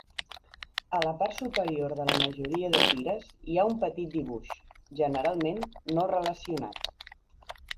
A la part superior de la majoria de tires hi ha un petit dibuix, generalment no relacionat.